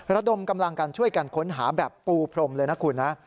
ระดมกำลังกันช่วยกันค้นหาแบบปูพรมเลยนะคุณนะ